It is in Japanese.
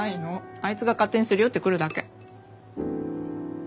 あいつが勝手にすり寄ってくるだけ。